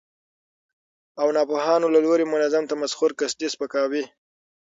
او ناپوهانو له لوري منظم تمسخر، قصدي سپکاوي،